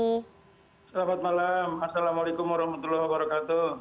selamat malam assalamualaikum warahmatullahi wabarakatuh